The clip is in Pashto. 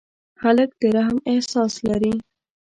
هلک د رحم احساس لري.